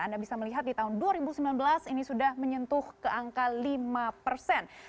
anda bisa melihat di tahun dua ribu sembilan belas ini sudah menyentuh ke angka lima persen